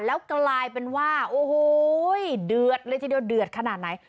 แล้วกลายเป็นว่าโอ้โหเดือดเลยทีเดียวเดือดขนาดไหน